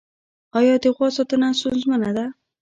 آیا د غوا ساتنه ستونزمنه ده؟